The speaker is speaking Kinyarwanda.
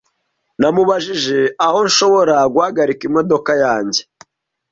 Namubajije aho nshobora guhagarika imodoka yanjye .